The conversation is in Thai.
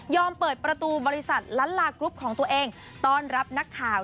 เปิดประตูบริษัทล้านลากรุ๊ปของตัวเองต้อนรับนักข่าว